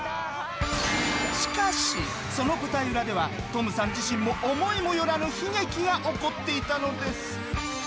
しかしその舞台裏ではトムさん自身も思いもよらぬ悲劇が起こっていたのです。